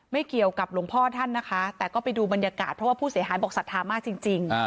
ไม่เกี่ยวกับหลวงพ่อท่านนะคะแต่ก็ไปดูบรรยากาศเพราะว่าผู้เสียหายบอกศรัทธามากจริง